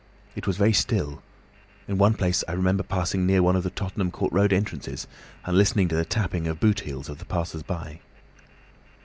It was very still; in one place I remember passing near one of the Tottenham Court Road entrances and listening to the tapping of boot heels of the passers by.